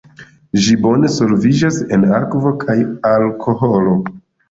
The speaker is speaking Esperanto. Ĝi bone solviĝas en akvo kaj alkoholo.